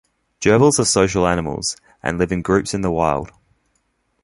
Gerbils are social animals, and live in groups in the wild.